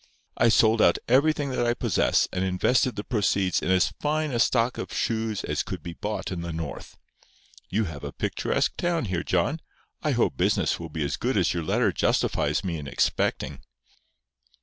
I sold out everything that I possess, and invested the proceeds in as fine a stock of shoes as could be bought in the North. You have a picturesque town here, John. I hope business will be as good as your letter justifies me in expecting."